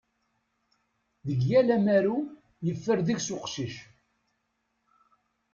Deg yal amaru, yeffer deg-s uqcic.